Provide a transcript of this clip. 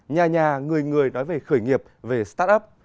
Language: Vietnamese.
nhà nhà người người nói về khởi nghiệp về start up